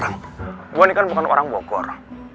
gua nih kan bukan orang bogor